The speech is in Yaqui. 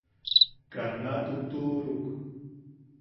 Kaa na tutuʼuruk.